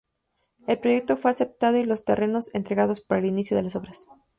El proyecto fue aceptado y los terrenos entregados para el inicio de las obras.